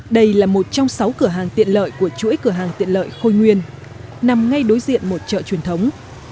đây là một trong sáu cửa hàng tiện lợi của chuỗi cửa hàng tiện lợi khôi nguyên nằm ngay đối diện một chợ truyền thống